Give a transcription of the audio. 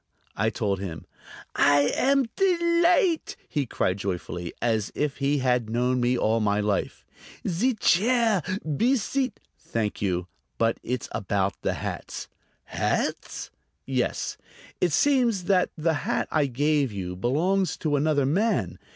I told him. "I am delight'!" he cried joyfully, as if he had known me all my life. "Zee chair; be seat'...." "Thank you, but it's about the hats." "Hats?" "Yes. It seems that the hat I gave you belongs to another man.